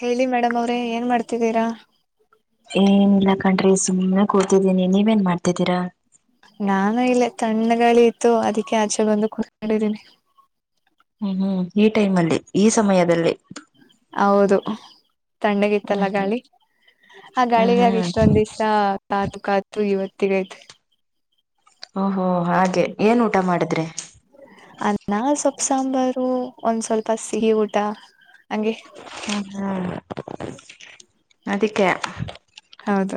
ಹೇಳಿ ಮೇಡಮ್ ಅವ್ರೆ ಏನ್ ಮಾಡ್ತಿದ್ದೀರಾ. ಏನಿಲ್ಲಾ ಕಣ್ರಿ ಸುಮ್ಮ್ನೆ ಕೂತಿದ್ದೀನಿ ನೀವೇನ್ ಮಾಡ್ತಿದ್ದೀರಾ. ನಾನು ಇಲ್ಲೇ ತಣ್ಣ ಗಾಳಿ ಇತ್ತು ಅದಕ್ಕೆ ಆಚೆ ಬಂದು ಕೂತ್ಕೊಂಡಿದ್ದೀನಿ. ಹ್ಮ್ ಹ್ಮ್ ಈ ಟೈಮ್ ಅಲ್ಲಿ ಈ ಸಮಯದಲ್ಲಿ ಹೌದು ಹ್ಮ್ ತಣ್ಣಗಿತ್ತಲ್ಲ ಹ್ಮ್ ಗಾಳಿ ಆ ಹ್ಮ್ ಗಾಳಿಗಾಗಿ ಹ್ಮ್ ಇಷ್ಟೊಂದ್ ದಿವ್ಸ ಕಾತು ಕಾತು ಇವತ್ತಗ ಐತೆ ಓಹೋ ಹಾಗೆ ಏನ್ ಊಟ ಮಾಡಿದ್ರೆ. ಅನ್ನಾ ಸೊಪ್ಪ ಸಾಂಬಾರು ಒಂದ್ ಸ್ವಲ್ಪ ಸಿಹಿ ಊಟ ಹಂಗೆ ಹ ಹಾ ಅದಿಕ್ಕೆ ಹೌದು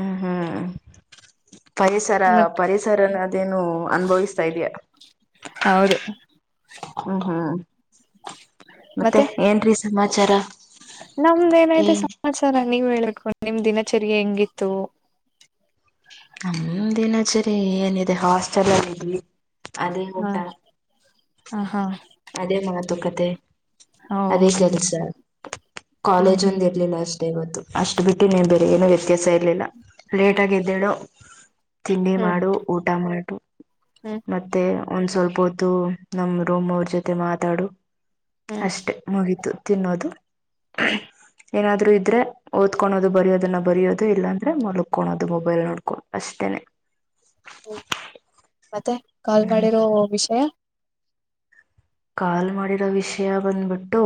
ಹ ಹ್ಮ ಪರಿಸರ ಮತ್ ಪರಿಸರನ ಅದೇನು ಅನುಭವಿಸ್ತಾ ಇದಿಯಾ ಹೌದು ಹ್ಮ್ ಹ್ಮ್ ಮತ್ತೆ ಏನ್ರೀ ಸಮಾಚಾರ ನಮ್ದ ಏ ಏನಾಯ್ತ ಸಮಾಚಾರ ನೀವ್ ಹೇಳಬೇಕು ನಿಮ್ ದಿನಚರಿ ಹೆಂಗಿತ್ತು. ನಮಂದಿನಚರಿ ಏನಿದೆ ಹಾಸ್ಟೆಲ್ ಅಲ್ಲಿ ಇದೀವಿ ಅದೇ ಹ ಊಟ ಹ ಹಾ ಅದೇ ಮಾತುಕತೆ ಓ ಅದೇ ಕೆಲಸ ಹ್ಮ್ ಕಾಲೇಜ್ ಹ್ಮ್ ಒಂದ್ ಇರ್ಲಿಲ್ಲ ಅಷ್ಟೆ ಇವತ್ತು ಅಷ್ಟ್ ಬಿಟ್ಟು ನೀನ್ ಬೇರೆ ಏನೋ ವ್ಯತ್ಯಾಸ ಇರ್ಲಿಲ್ಲ ಲೇಟ್ ಆಗ ಇದ್ದೇಳು ತಿಂಡಿ ಹ್ಮ್ ಮಾಡು ಊಟ ಮಾಡು ಹ್ಮ್ ಮತ್ತೆ ಒಂದ್ ಸ್ವಲ್ಪ ಹೊತ್ತು ನಮ್ ರೋಮ್ ಅವ್ರ ಜೊತೆ ಮಾತಾಡು ಹ್ಮ್ ಅಷ್ಟೆ ಮುಗತು ತಿನ್ನೋದು ಏನಾದ್ರು ಇದ್ರೆ ಓದ್ಕೊಳೋದು ಬರಿಯೋದನ್ನ ಬರಿಯೋದು ಇಲ್ಲಾಂದ್ರೆ ಮಲಕೋಳೋದು ಮೊಬೈಲ್ ನೋಡ್ಕೊಂಡ ಅಷ್ಟೇನೆ ಹ ಹ್ಮ ಮತ್ತೆ ಕಾಲ್ ಮಾಡಿರೋ ವಿಷಯ ಕಾಲ್ ಮಾಡಿರೋ ವಿಷಯ ಬಂದ್ಬಿಟ್ಟು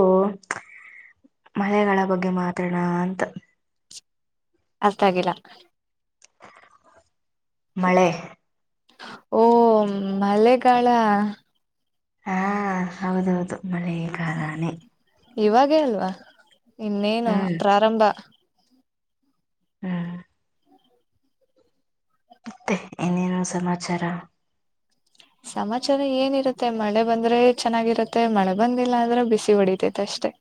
ಮಳಗಳ ಬಗ್ಗೆ ಮಾತ್ರೋಣ ಅಂತ ಅಷ್ಟ ಆಾಗಿಿಲ್ಲ ಮಳೆ ಓ ಮಳೆಗಾಳ ಹಾ ಹೌದೌದು ಮಳೆಯ ಕಾಲಾನೆ ಇವಾಗೇ ಅಲ್ವಾ ಇನ್ನೇನು ಹ್ಮ್ ಪ್ರಾರಂಭ ಹ್ಮ ಮತ್ತೆ ಏನೇನು ಸಮಾಚಾರ ಸಮಾಚಾರ ಏನಿರುತ್ತೆ ಮಳೆ ಬಂದ್ರೆ ಚೆನ್ನಾಗಿರುತ್ತೆ ಮಳೆ ಬಂದಿಲ್ಲ ಅಂದ್ರೆ ಬಿಸಿ ಹೊಡಿತೈತೆ ಅಷ್ಟೇ ಅಷ್ಟೇ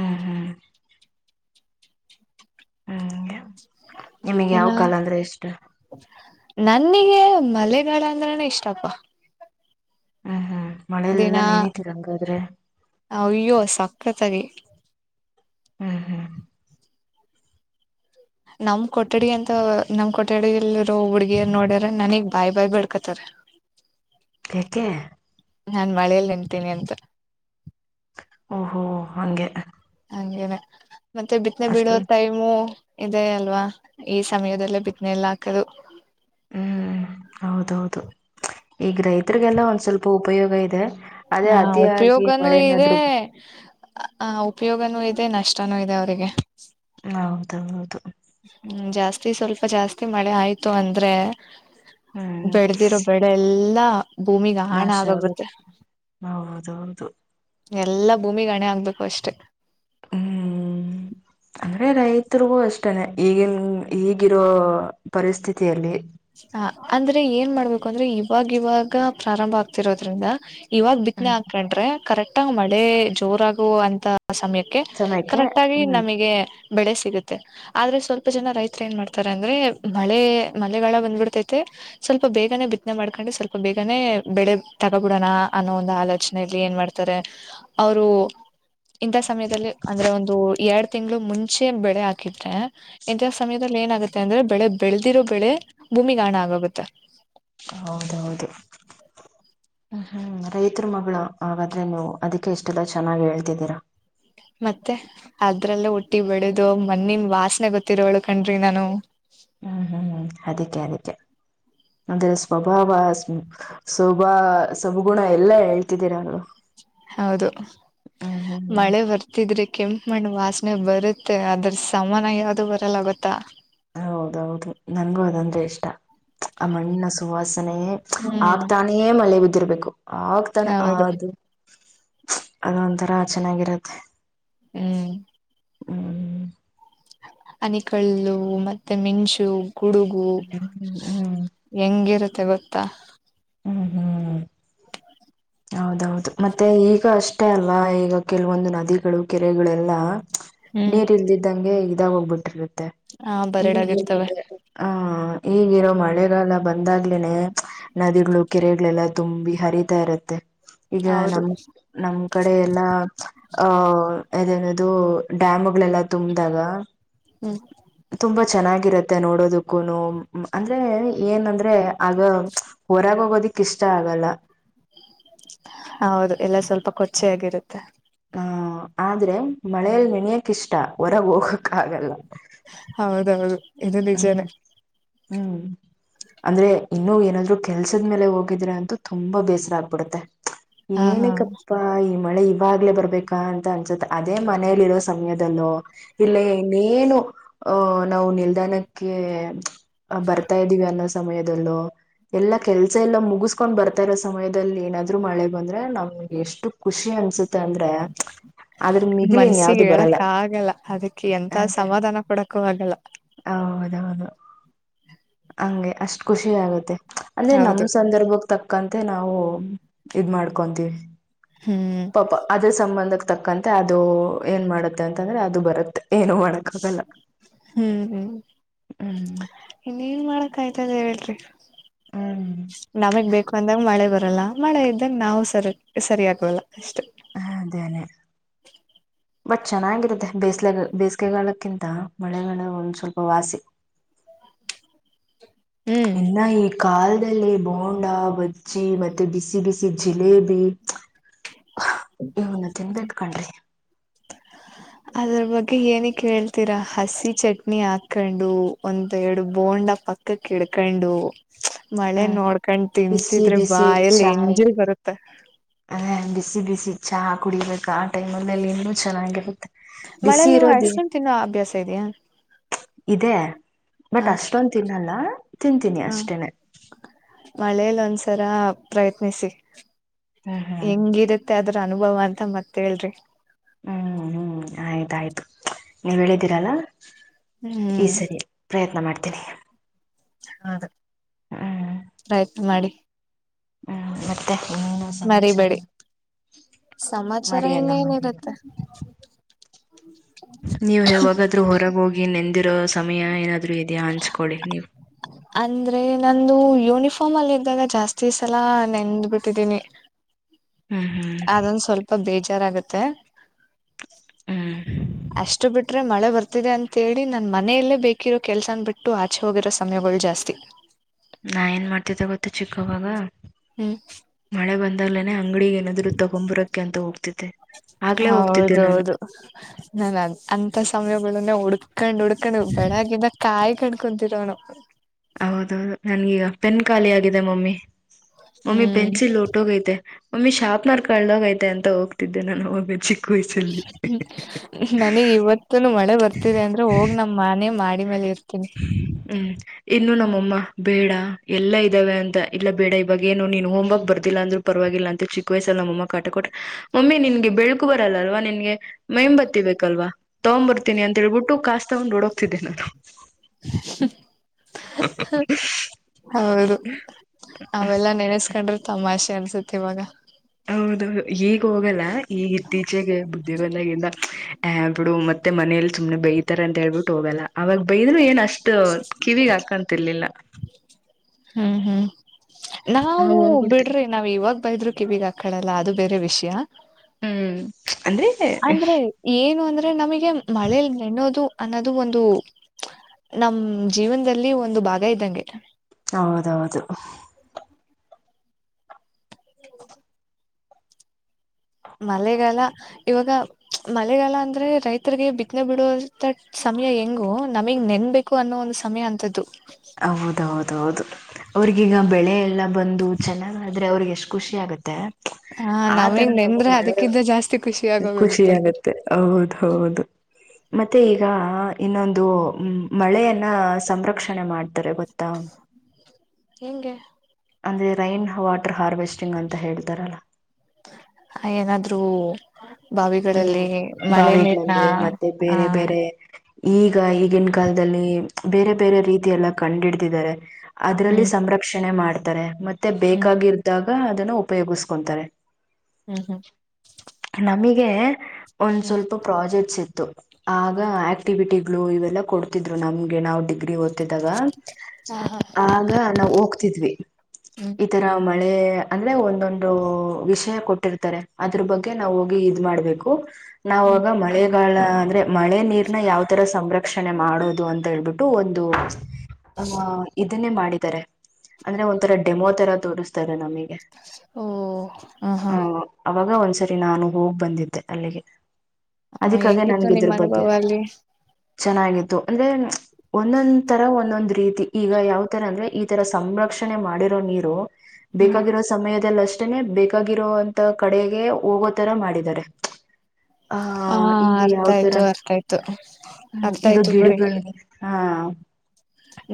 ಹ್ಮ್ ಹ್ಮ್ ನಿಮಗ್ ಯಾವ ಇನ್ನ ಕಾಲ ಅಂದ್ರೆ ಇಷ್ಟ ನನಿಗೆ ಮಲೆಗಾಾಲ ಅಂದ್ರನ ಇಷ್ಟಪ್ಪ ಹ್ಮ್ ಹ್ಮ್ ಮಳೆಯಲ್ಲೆಲ್ಲಾ ನೆನತಿೀರಂಗಾದ್ರೆ ಅಯ್ಯೋ ಸಕ್ಕತ್ತಾಗಿ ಹ್ಮ್ ಹ್ಮ್ ನಮ್ ಕೊಠಡಿ ಅಂತ ನಮ್ ಕೊಠಡಿ ಎಲ್ಲಿರೋ ಹುಡ್ಗಿಯರು ನೋಡ್ಯಾರ ನನಗ್ ಬಾಯಿ ಬಾಯ್ ಬೆಳ್ಕತಾರ ಕೆಕ್ಕೆೆ ನಾನ್ ಮಳೇೆಯಲ್ಲಿ ನಿನ್ತೀನಿ ಅಂತ ಓಹೋ ಹಂಗೆ ಹಂಗೇನೆ ಮತ್ತೆ ಬಿತ್ನೆ ಬಿೀಡೋ ಅಷ್ಟು ಟೈಮು ಇದೇ ಅಲ್ವಾ ಈ ಸಮಯದಲ್ಲೇ ಬಿದ್ದನೆಲ್ಲ ಹಾಕದು ಹ್ಮ್ ಹೌದೌದು ಈಗ ರೈತರಿಗೆಲ್ಲ ಒಂದ್ ಸ್ವಲ್ಪ ಉಪಯೋಗ ಇದೆ ಅದೇ ಹಾ ಅತಿಯಾಗಿ ಉಪಯೋಗನೂ ಇದೆ ಮಳೆನಾದ್ರು ಆ ಉಪಯೋಗನೂ ಇದೆ ನಷ್ಟ ಇಷ್ಟನೂ ಇದೆ ಅವರಿಗೆ ಹೌದ ಹೌದು ಹ್ಮ್ ಜಾಸ್ತಿ ಸ್ವಲ್ಪ ಜಾಸ್ತಿ ಮಳೆ ಆಯ್ತು ಅಂದ್ರೆ ಹ್ಮ್ ಬೆಡ್ದಿರೋ ಬೆಡ ಎಲ್ಲಾ ಭೂಮಿಿಗೆ ಹಣ ನಾಶ ಆಗಾಗುತ್ತೆ ಆಗುತ್ತೆ ಹೌದೌದು ಎಲ್ಲಾ ಭೂಮಿ ಗಣೆ ಆಗ್ಬೇಕು ಅಷ್ಟೇ ಹ್ಮ್ ಅಂದ್ರೆ ರೈತ ತಿರ್ಗೂ ಅಷ್ಟನೆ ಈಗಿನ ಈಗಿರೋ ಪರಿಸ್ಥಿತಿಯಲ್ಲಿ ಹ ಅಂದ್ರೆ ಏನ್ ಮಾಡ್ಬೇಕು ಅಂದ್ರೆ ಇವಾಗ ಇವಾಗ ಪ್ರಾರಂಭ ಆಗ್ತಿರೋದ್ರಿಂದ ಇವಾಗ ಬಿತ್ತನೆ ಹ್ಮ್ ಹಾಕೊಂಡ್ರೆ ಕರೆಕ್ಟ್ ಆಗ ಮಳೆ ಜೋರಾಗುವ ಅಂತ ಆ ಸಮಯಕ್ಕೆ ಸಮಯಕ್ಕೆ ಕರೆಕ್ಟ್ ಆಗಿ ಹ್ಮ್ ನಮಗೆ ಬೆಳೆ ಸಿಗುತ್ತೆ ಆದ್ರೆ ಸ್ವಲ್ಪ ಜನ ರೈತ ಏನ್ ಮಾಡ್ತಾರೆ ಅಂದ್ರೆ ಮಳೆ ಮ ಬಂದ್ಬಿಡ್ತೈತೆ ಸ್ವಲ್ಪ ಬೇಗನೆ ಬಿ್ನೆ ಮಾಡ್ಕೊಂಡೆ ಸ್ವಲ್ಪ ಬೇಗನೆ ಬೆಳೆ ತಗೋಬಿಡೋಣ ಅನ್ನೋ ಒಂದು ಆಲೋಚನೆಯಲ್ಲಿ ಏನ್ ಮಾಡ್ತಾರೆ ಅವರು ಇಂಥ ಸಮಯದಲ್ಲಿ ಅಂದ್ರೆ ಒಂದು ಎರಡ್ ತಿಂಗಳು ಮುಂಚೆ ಬೆಳೆ ಹಾಕಿದ್ರೆ ಇಂಥ ಸಮಯ ಏನಾಗುತ್ತೆ ಅಂದ್ರೆ ಬೆಳೆ ಬೆಳೆದಿರೋ ಬೆಳೆ ಭೂಮಿಗಣ ಆಗೋಗುತ್ತೆ ಹೌದೌದು ಹ್ಮ ಹ್ಮ್ ರೈತರ ಮಗಳು ಹಾಗಾದ್ರೆ ನೀವು ಅದಕ್ಕೆ ಇಷ್ಟಲ್ಲ ಚೆನ್ನಾಗಿ ಹೇಳ್ತಿದ್ದೀರಾ ಮತ್ತೆ ಅದ್ರಲ್ಲ ಹುಟ್ಟಿ ಬೆಳೆದು ಮೊನ್ನಿಮ ವಾಸನೆ ಗೊತ್ತಿರೋವಳು ಕಣ್ರಿ ನಾನು ಹ್ಮ್ ಹ್ಮ್ ಹ್ಮ್ ಅದಕ್ಕೆ ಅದಕ್ಕೆ ಅಂದ್ರೆ ಸ್ವಭಾವ ಸವಭ ಸಬಗುಣ ಎಲ್ಲಾ ಹೇಳ್ತಿದ್ದೀರ ಅವರು ಹೌದು ಹ್ಮ್ ಮಳೆ ಬರ್ತಿದ್ರೆ ಕೆಂಪ ಮಣ್ಣ್ ವಾಸನೆ ಬರುತ್ತೆ ಅದ್ರ ಸಮಾನ ಯಾವ್ದು ಬರಲ್ಲ ಗೊತ್ತಾ ಹೌದೌದು ನನ್ಗೂ ಅದಂದ್ರೆ ಇಷ್ಟ ಆ ಮಣ್ಣಿನ ಸುವಾಸನೆ ಹ್ಮ್ ಆಗ್ತಾನೇ ಮಲೆ ಬ ರ್ಬೇಕು ಆಗ್ತಾನೆ ಹೌದು ಅದು ಅದೊಂಥರ ಚೆನ್ನಾಗಿರತ್ತೆ ಹ್ಮ್ ಹ್ಮ್ ಅನಿಕಲ್ಲು ಮತ್ತೆ ಮೆಣಶು ಕುಡುಗು ಹ್ಮ್ ಹ್ಮ್ ಹೆಂಗಿರುತ್ತೆ ಗೊತ್ತಾ ಹ್ಮ್ ಹ್ಮ್ ಹೌದೌದು ಮತ್ತೆ ಈಗ ಅಷ್ಟೇ ಅಲ್ಲ ಈಗ ಕೆಲವೊಂದು ನದಿಗಳು ಕೆರೆಗಳೆಲ್ಲ ಹ್ಮ್ ನೀರ್ ಇಲ್ದಿದ್ದಂಗೆ ಇದಾಗ ಹೋಗ್ಬಿಟ್ಟಿ ಆ ಈಗಿ ಬರಡಾಗಿರ್ತವೆ ಹ ಈಗಿರೋ ಮಳೆ ಈಗಲ್ಲ ಬಂದಾಗ್ಲೇನೆ ನದಿಗಳು ಕೆರೆಗಳೆಲ್ಲ ತುಂಬಿ ಹರಿತಾ ಇರುತ್ತೆ ಈಗ ಹೌದು ನಮ ನಮ್ ಕಡೆ ಎಲ್ಲಾ ಅಹ ಅದನದು ಡ್ಯಾಮ್ಗಳೆಲ್ಲ ತುಂಬ್ದಾಗ ಹ್ಮ್ ತುಂಬಾ ಚೆನ್ನಾಗಿರುತ್ತೆ ನೋಡೋದಕ್ಕೂ ಅಂದ್ರೆ ಏನಂದ್ರೆ ಆಗ ಹೊರಾಗೋಗೋದಿಕ್ ಇಷ್ಟ ಆಗಲ್ಲ ಹೌದು ಎಲ್ಲ ಸ್ವಲ್ಪ ಕೊಚ್ಚೆ ಆಗಿರುತ್ತೆ ಹಹ ಆದ್ರೆ ಮಳೇಯಲ್ಲಿ ನೆಣೆಯಕ್ ಇಷ್ಟ ಹೊರಗ್ ಹೋಗಕ್ ಆಗಲ್ಲ ಹೌದೌದು ಇದು ಹ್ಮ್ ನಿಜಾನೇ ಹ್ಮ್ ಅಂದ್ರೆ ಇನ್ನುೂ ಏನಾದ್ರು ಕೆಲ್ಸದ ಮೇಲೆ ಹೋಗಿದ್ರೆ ಅಂತೂ ತುಂಬಾ ಬೇಸರ ಆಗ್ಬಿಡುತ್ತೆ ಹಾ ಹಾ ಏನಕ್ಕಪ್ಪಾ ಈ ಮಳೆ ಬಾಗ್ಲೆ ಬರ್ಬೇಕಾ ಅಂತ ಅನ್ಸತ್ತೆ ಅದೇ ಮನೇಲಿರೋ ಸಮಯದಲ್ಲೋ ಇಲ್ಲೇ ಇನ್ನೇನು ಅಹ ನಾವು ನಿಲ್ದಾಣಕ್ಕೆ ಬರ್ತಾದೀವಿ ಅನ್ನ ಸಮಯದಲ್ಲೋ ಎಲ್ಲಾ ಕೆಲ್ಸ ಎಲ್ಲ ಮುಗಿಸ್ಕೊಂಡ್ ಬರ್ತಾ ಇರೋ ಸಮಯದಲ್ಲಿ ಏನಾದ್ರು ಮಳೆ ಬಂದ್ರೆ ನಮ ಗೆ ಎಷ್ಟು ಖುಷಿ ಅನ್ಸುತ್ತೆ ಅಂದ್ರೆ ಅದ್ರ ಮಿಗಿಲಿನ್ ಮನ್ಸಿಗೆ ಯಾವ್ದು ಹೇಳಕ್ಕ ಆಗಲ್ಲ ಅದಕ್ಕೆ ಎಂತ ಬರಲ್ಲ ಸಮಾಧಾನ ಕೊಡಕ್ಕ ಆಗಲ್ಲ ಹೌದೌದು ಹಂಗೆ ಅಷ್ಟ್ ಖುಷಿ ಆಗುತ್ತೆ ಅಂದ್ರೆ ನಮ ಹೌದು ಸಂದರ್ಭಗ್ ತಕ್ ಕಂತೆ ನಾವು ಇದ ಮಾಡ್ಕೊಂತೀವಿ ಹ್ಮ್ ಪಾಪ ಅದೇ ಸಂಬಂಧ ತಕ್ಕಂತೆ ಅದು ಏನ್ ಮಾಡುತ್ತೆ ಅಂತಂದ್ರೆ ಅದು ಬರುತ್ತೆ ಏನು ಮಾಡಕ್ಕ ಆಗಲ್ಲ ಹ್ಮ್ ಹ್ಮ್ ಹ್ಮ್ ಕಾಯ್ತದೆ ಹೇಳ್ರಿ ಹ್ಮ್ ನಮಗ್ ಬೇಕು ಅಂದಾಗ ಮಳೆ ಬರ್ ಎಲ್ಲಾ ಮಾಡ ಇದ್ದಂ ನಾವು ಸರಿ ಸರಿಯಾಗಲ್ಲ ಅಷ್ಟು ಹ ಅದೇನೆ ಬಟ್ ಚೆನ್ನಾಗಿರುತ್ತೆ ಬೇಸ್ಲೆ ಬೇಸಿಗೆಗಾಲಕ್ಕಿಂತ ಮಳೆಗಾಲ ಒಂದ್ ಸ್ವಲ್ಪ ವಾಸಿ ಹ ಹ್ಮ್ ಇನ್ನ ಈ ಕಾಲದಲ್ಲಿ ಬೋಂಡ ಬಜ್ಜಿ ಮತ್ತೆ ಬಿಸಿ ಬಿಸಿ ಜಿಲೇಬಿ ಇವನ್ನ ತಿನ್ಬೇಕತ್ಕೊಂಡ್ರಿ [inaudible] ಅದ್ರ ಬಗ್ಗೆ ಏನ ಕೇಳ್ತೀರಾ ಹಸಿ ಚಟ್ನಿ ಹಾಕೊಂಡು ಒಂದ ಎರಡು ಬೋಂಡ್ ಪಕ್ಕಕ್ಕೆಡ್ಕೊಂಡು ಮಳೆ ಹ್ಮ್ ನೋಡ್ಕೊಂಡ್ ಬಿಸಿ ತಿಂತಿದ್ರಿ ಬಾ ಬಿಸಿ ಎಲ್ಲಿ ಚಾಯ್ ಹೆಂಜಿ ಬರುತ್ತ ಅದೇ ಬಿಸಿ ಬಿಸಿ ಚಹಾ ಕುಡಿಬೇಕ ಆ ಟೈಮಲ್ಲಿಲ್ಲಿ ಇನ್ನುೂ ಚೆನ್ನಾಗಿರುತ್ತೆ ಬಿಸಿ ಮಳೇಲ್ ನಿಮ್ಗ್ ಇರೋದ ಅಷ್ಟೊಂದ್ ತಿನ್ನೋ ಅಭ್ಯಾಸ ಇದಿಯಾ. ಇದೆ ಬಟ್ ಅಷ್ಟೊಂದ್ ತಿನ್ನಲ್ಲ ತಿಂತೀನಿ ಅಷ್ಟೇನೆ. ಮಳೇಲ್ ಒಂಸರ ಪ್ರಯತ್ನಿಸಿ ಹ್ಮ್ ಹ್ಮ್ ಹೆಂಗಿರುತ್ತೆ ಅದ್ರ. ಅನುಭವ ಅಂತ ಮತ್ ಹೇಳ್ರಿ. ಹ್ಮ್ ಹ್ಮ್ ಆಯ್ತಾಯ್ತು ನೀವ್ ಹೇಳಿದ್ದೀರ ಅಲ. ಈ ಹ್ಮ್ ಸರಿ ಪ್ರಯತ್ನ ಮಾಡ್ತೀನಿ. ಹೌದು ಹ್ಮ್ ಪ್ರಯತ್ನ ಮಾಡಿ. ಹ್ಮ್ ಮತ್ತೆ. ಏನು ಸಮಾಚಾರ ಮರಿಬೇಡಿ ಸಮಾಚಾರ ಮರಿಯಲ್ಲ ಮರಿಯಲ್ಲ. ಇನ್ನೇನಿರುತ್ತೆ ನೀವ್ ಯಾವಾಗಾದ್ರೂ ಹೋರಾಗೋಗಿ ನೇಮ್. ಸಮಯ ಏನಾದ್ರು ಇದಿಯಾ ಹಂಚ್ಕೊಳ್ಳಿ ನೀವ್. ಅಂದ್ರೆ ನಂದು ಯುನಿಫಾರ್ಮ್ನಲ್ ಇದಾಗ ಜಾಸ್ತಿ ಸಲ ನೆಂದ್ಬಿಟ್ಟಿದೀನಿ. ಹ್ಮ್ ಹ್ಮ್ ಅದೆಂಗ್ ಸೋಲ್ಪ ಬೇಜಾರಾಗತ್ತೆ. ಹ್ಮ್ ಅಷ್ಟ ಬಿಟ್ರೆ ಮಳೆ ಬರ್ತ. ತಿದೆ ಅಂತೇಳಿ ನನ್ ಮನೆಯಲ್ಲೇ ಬೇಕರು ಕೆಲ್ಸನ್ ಬಿಟ್ಟು ಆಚೆ ಹೋಗಿರೋ ಸಮಯಗಳ್ ಜಾಸ್ತಿ. ನಾ ಏನ್ ಮಾಡ್ತಿದೆ ಗೊತ್ತ ಚಿಕ್ಕವಾಗ ಹ್ಮ್ ಮಳೆ ಬಂತ್. ಗ್ಲೇನೇ ಅಂಗ್ಡಿಗ್ ಏನಾದ್ರು ತೊಗೊಂಬರಕೆ ಅಂತ ಹೋಗ್. ಹೌದೌದು ನಾನ್ ಅಂ ಅಂತ ಸಮಯಗಳುನೆ ಹುಡುಗ್. ಉಡ್ಕಂಡ್ ಉಡ್ಕಂಡು ಬೆಳಗಿಂದ ಕೈಕಂಡ್ ಕುಂತಿರೋಳು. ಹೌದು ನನ್ಗೀಗ ಪೆನ್ ಖಾಲಿ ಆಗಿದೆ ಮಮ್ಮಿ ಮಮ್ಮಿ ಹ್ಮ್ ಪೆನ್ಸಿಲ್ ಒಟ್ಟೋಗೈತೆ. ಮಮ್ಮಿ ಶಾರ್ಪ್ನರ್ ಕಾಳ್ದೋಗೈತೆ ಅಂತ ಹೋಗ್ತಿದ್ದೆ ನಾನು ಅವಾಗ್ ಹ್ಮ್ಮ್ ನಾನಿಗ್ ಇವತ್ತುನು ಮಳೆ ಬರ್ತಿದೆ ಅಂದ್ರೆ ಹೋಗ್ ನಮ್ ಮನೆ ಮಾಡಿ. ಮೇಲೆ ಇರ್ತೀನಿ. ಹ್ಮ್ ಇನ್ನುೂ ನಮ್ಮಮ್ಮ ಬೇಡ. ಎಲ್ಲ ಇದಾವೆ ಅಂತ ಇಲ್ಲ ಬೇಡ ಇವಾಗ ಏನು ನೀನ್ ಹೋಮ್ರ್ಕ್ ಬರ್ದಿಲ್ಲ ಅಂದ್ರು ಪರ್ವಾಗಿಲ್ಲ ಅಂತ ಚಿಕ್ವಯಸಲ್ ನಮ್ ಅಮ್ಮ ಕಾಟ. ಕೊ ಮೊಮ್ಮಿ ನಿನ್ಗೆ ಬೆಳಕು ಬರಲ್ಲ ಅಲ್ವಾ ನಿನ್ಗೆ. ಮೇಂಬತ್ತಿಬೇಕಲ್ವಾ ತಗೊಂಬರ್ತೀನಿ ಅಂತ್ ಹೇಳ್ಬಿಟ್ಟು ಕಾಸಸ್ ತಗೊಂಡ್ ಓದೋಗ್ತಿದ್ದೆ ನಾನು. [inaudible] ಹೌದು ಅವೆಲ್ಲ ನೆನೆಸ್ಕಂಡ್ರೆ. ತಮಾಷೆ ಅನ್ಸುತ್ತೆ ಇವಾಗ. ಹೌದೌದು ಈಗ ಹೋಗಲ್ಲ ಈಗ ಹೇ ಬಿಡು ಮತ್ತೆ ಮನೆಲ್ ಸುಮ್ನೆ ಬೈತಾರೆ ಅಂತೇಲ್ಬುಟ್ ಹೋಗಲ್ಲ ಅವಾಗ್ ಬೈದ್ರು ಏನ್ ಅಷ್ಟ್. ಅಷ್ಟು ಕಿವಿಗ್ ಹಾಕತಿರ್ಲಿಲ್ಲ. ಹ್ಮ್ ಹ್ಮ್ ಹಾ ನಾವು ಹೋಗ್ಬಿಡ್ತೆ ಬಿಡ್ರಿ ನಾವ್ ಇವಾಗ್ ಬೈದ್ರು ಕಿವೀಗ್ ಆಕಳಲ್ಲ ಅದು. ಬೇರೆ ವಿಷ್ಯ. ಹ್ಮ್. ಅಂದ್ರೆ ಅಂದ್ರೆ ಏನು ಅಂದ್ರೆ ನಮಿಗೆ ಮಳೇಲ್ ನೆನೊದು ಅನ್ನೋದು ಒಂದು. ನಮ್ ಜೀವಂದಲ್ಲಿ ಒಂದ್ ಭಾಗ ಇದ್ದಂಗೆ. ಹೌದೌದು. [inaudible] ಮಲೆಗಾಲ ಇವಾಗ ಮಲೆಗಾಲ ಅಂದ್ರೆ ರೈತ್ರಿಗೆ ಬಿತ್ನೆ ಬಿಡುವಂತ ಸ. ಹೆಂಗೋ ನಮಿಗ್ ನೆನ್ಬೇಕು ಅನ್ನೋ ಒಂದು ಸಮಯ ಅಂತದ್ದು. ಹೌದೌದೌದು ಅವ್ರಗೀಗ ಬೆಳೆ ಎಲ್ಲ ಬಂದು ಚೆನ್ನಾಗಾದ್ರೆ ಅವ್ರಿಗೆ. ಎಷ್ಟ್ ಖುಷಿ ಆಗತ್ತೆ. ಹ ಆ ತರ ನಮಗ್ ನಮುಗ್ ನೆಂದ್ರೆ ಮಳೆ ಅದಕ್ಕಿಂತ ಜಾಸ್ತಿ ಖುಷಿ ಖುಷಿ ಆಗೋಗಿರುತ್ತೆ ಆಗತ್ತೆ ಹೌದ್ ಹೌದು. ಮತ್ತೆ ಈಗ ಇನ್ನೊಂದು ಮಳೆಯನ್ನ ಸಂರಕ್ಷಣೆ ಮಾಡ್. ತ್ತರೆ ಗೊತ್ತ. ಹೆಂಗೆ ಅಂದ್ರೆ ರೈನ್ ವಾಟರ್ ಹಾರ್ವೆಸ್ಟಿಂಗ್ ಅಂತ ಹೇಳ್ತಾರಲ್ಲ. ಏನಾದ್ರು. ಹ್ಮ್ ಬಾವಿಗಳಲ್ಲಿ ಮಳೆ ನೀರ್ನ ಬಾವಿಗಳಲ್ಲಿ ಮತ್ತೆ ಹ. ಬೇರೆ ಬೇರೆ ಈಗ ಈಗಿನ್ ಕಾಲ್ದಲ್ಲಿ ಬೇರೆ ಬೇರೆ ರೀತಿಯಲ್ಲ ಕನ್ಡಿಡ್ದಿದರೆ. ಅದ್ರಲ್ಲಿ ಹ್ಮ್ ಸಂರಕ್ಷಣೆ ಮಾಡ್ತಾರೆ ಮತ್ತೆ ಹ್ಮ್ ಬೇಕಾಗಿದ್ದಾಗ. ಹಾ ಅದನ್ನ ಉಪಯೋಗಿಸ್ಕೊತಾರೆ ಹ್ಮ್ ಹ್ಮ್ ನಮಗೆ ಒಂದ್ ಹ್ಮ್ ಸ್ವಲ್ಪ ಪ್ರಾಜೆಕ್ಟ್ಸ್ ಇತ್ತು ಆಗ ಆಕ್ಟಿವಿಟಿಗಳು ಇವೆಲ್ಲಾ ಕೊಡ್ತಿದ್ರು ನಮ್ಗೆ ನಾವು ಡಿಗ್ರಿ ಓದ್ ಹ ಹ ಆಗ ನಾವು ಹೋಗ್ತಿದ್ವಿ ಹ್ಮ್ ಈ ತರಾ ಮಳೆ ಅಂದ್ರೆ ಒಂದೊಂದು ವಿಷಯ ಕೊಟ್ಟಿರ್ತಾರೆ ಅದ್ರ ಬಗ್ಗೆ ನಾವು ಹೋಗಿ ಮಾಡ್ಬೇಕು ಹ್ಮ್ ನಾವಾಗ ಮಳೆ ಗಳ ಅಂದ್ರೆ ಮಳೆ ನೀರನ್ನ ಯಾವ್ ತರ ಸಂರಕ್ಷಣೆ ಮಾಡೋದು ಅಂತ ಹೇಳ್ಬಿ ಒಂದು ಅ ಇದು ಇರನ್ನೇ ಮಾಡಿದಾರೆ ಅಂದ್ರೆ ಒಂಥರ ಡೆಮೋ ತರ ತೋರಿಸ್ತಾರೆ ನಮಗೆ ಓ ಹ ಅವಾಗ ಒಂದ್ಸರಿ ನಾನು ಹೋಗ್ ಬಂದಿದ್ದೆ ಅಲ್ಲಿಗೆ. ಅದಕ್ಕಾಗ ಹೆಂಗಿತ್ತು ನನ್ಗೆ ಇದ್ರ ನಿಮ್ಮ್ ಬಗ್ಗೆ ಅನುಭವ ಅಲ್ಲಿ ಚೆನ್ನಾಗಿತ್ತು ಅಂದ್ರೆ ಒಂದೊಂದ್ ತರ ಒಂದೊಂದ್ ರೀತಿ ಈಗ ಯಾವ್ ತರ ಅಂದ್ರೆ ಈಗ ತರ ಸಂರಕ್ಷಣೆ ಮಾಡಿರೋ ನೀರು ಬೇಕಾಗಿರೋ ಸಮಯದಲ್ಲಿಷ್ಟ ಇದನ್ನೇ ಬೇಕಾಗಿರೋಂತ ಕಡೆಗೆ ಹೋಗೋತರಾ ಮಾಡಿದ್ದಾರೆ ಹ ಹಿಂಗೆ ಅರ್ಥ ಯಾವ ತರ ಆಯ್ತು ಅರ್ಥ ಆಯ್ತು ಹ್ಮ ಅರ್ಥ ಈಗ ಆಯ್ತು ಬಿಡಿ ಗಿಡಗಳಿವೆ ಹಾ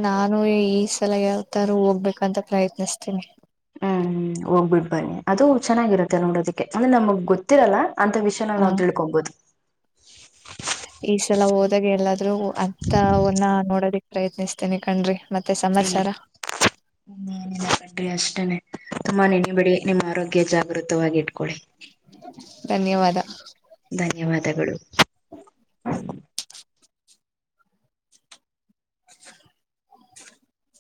ನಾನು ಈ ಸಲಾ ಯಾವತಾರೂ ಹೋಗ್ಬೇಕಂತ ಪ್ರಯತ್ನಿಸ್ತೀನಿ ಹ್ಮ್ ಹೋಗ್ಬಿಡ್ ಬನ್ನಿ ಅದು ಚೆನ್ನಾಗಿರುತ್ತೆ ನೋಡೋದಿಕ್ಕೆ ಅಂದ್ರೆ ನಮಗ್ ಗೊತ್ತಿರಲ್ಲಾ ಅಂತ ವಿಷಯನಾಗ ಹ ನಾವು ತಿಳ್ಕೊಬಹುದು ಈ ಸಲ ಹೋದಾಗ ಎಲ್ಲಾದ್ರೂ ಅಂತ ಅವನ್ನ ನೋಡೋದಿಕ್ ಪ್ರಯತ್ನಿಸ್ತಿನಿ ಕಣ್ರಿ ಮತ್ತೆ ಇ ಸಮಾಚಾರ ಹ ಕಡ್ರಿ ಅಷ್ಟೇನೆ ತುಂಬಾ ನೆನೆ ಬಿಡಿ ನಿಮ್ಮ ಆರೋಗ್ಯ ಜಾಗೃತವಾಗಿ ಇಟ್ಕೊಳ್ಳಿ ಧನ್ಯವಾದ ಧನ್ಯವಾದಗಳು [inaudible]